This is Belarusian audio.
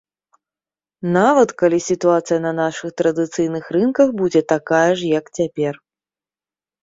Нават калі сітуацыя на нашых традыцыйных рынках будзе такая ж, як цяпер.